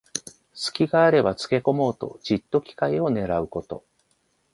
すきがあればつけこもうと、じっと機会をねらうこと。